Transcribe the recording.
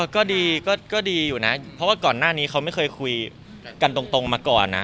ก็ดีก็ดีอยู่นะเพราะว่าก่อนหน้านี้เขาไม่เคยคุยกันตรงมาก่อนนะ